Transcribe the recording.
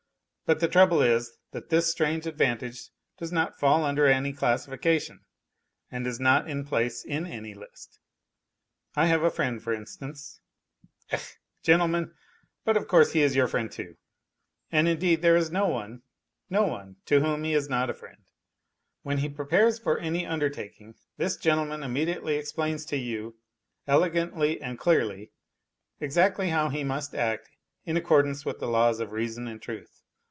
But the trouble is, that this strange advantage does not fall under any classification and is not in place in any list. I have a friend for instance ... Ech ! gentlemen, but of course he is your friend, too ; and indeed there is no one, no one, to whom he is F 66 not a friend ! When he prepares for any undertaking this gentle man immediately explains to you, elegantly and clearly, exactly how he must act in accordance with the laws of reason and truth.